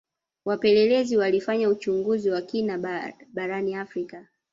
wapelelezi walifanya uchunguzi wa kina barani afrika